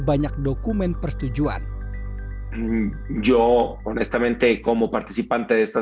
banyak dokumen persetujuan